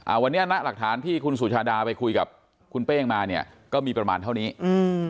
วันนี้ณหลักฐานที่คุณสุชาดาไปคุยกับคุณเป้งมาเนี้ยก็มีประมาณเท่านี้อืม